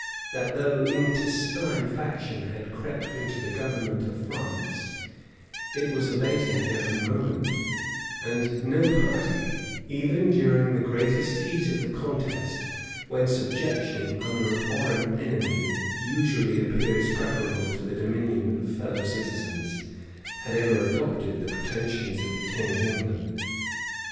That though intestine faction had crept into the government of France, it was abating every moment; and no party, even during the greatest heat of the contest, when subjection under a foreign enemy usually appears preferable to the dominion of fellow citizens, had ever adopted the pretensions of the king of England.